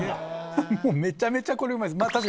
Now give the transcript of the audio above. もうめちゃめちゃこれうまいっす。